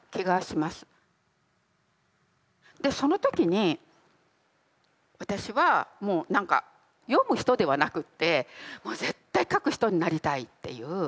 でその時に私はもう何か読む人ではなくってもう絶対書く人になりたいっていう。